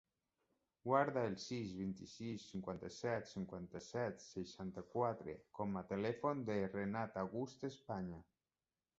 Guarda el sis, vint-i-sis, cinquanta-set, cinquanta-set, seixanta-quatre com a telèfon del Renat August España.